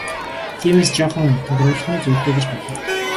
Тиймээс жаахан тодруулах нь зүйтэй гэж бодов.